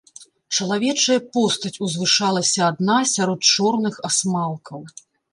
Чалавечая постаць узвышалася адна сярод чорных асмалкаў.